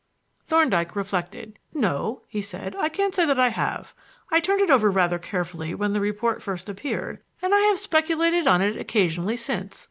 Thorndyke reflected. "No," he said, "I can't say that I have. I turned it over rather carefully when the report first appeared, and I have speculated on it occasionally since.